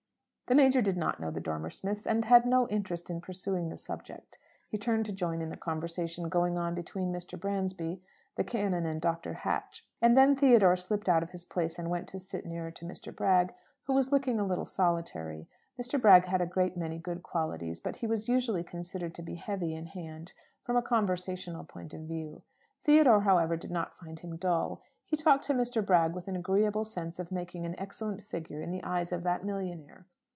The Major did not know the Dormer Smiths, and had no interest in pursuing the subject. He turned to join in the conversation going on between Mr. Bransby, the canon, and Dr. Hatch, and then Theodore slipped out of his place and went to sit nearer to Mr. Bragg, who was looking a little solitary. Mr. Bragg had a great many good qualities, but he was usually considered to be heavy in hand from a conversational point of view. Theodore, however, did not find him dull. He talked to Mr. Bragg with an agreeable sense of making an excellent figure in the eyes of that millionaire.